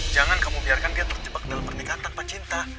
jangan kamu biarkan dia terjebak dalam pernikahan tanpa cinta